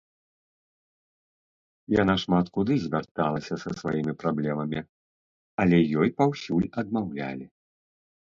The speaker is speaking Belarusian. Яна шмат куды звярталася са сваімі праблемамі, але ёй паўсюль адмаўлялі.